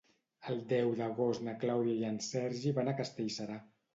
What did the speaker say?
El deu d'agost na Clàudia i en Sergi van a Castellserà.